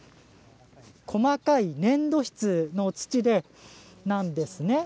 細かい粘土質の土なんです。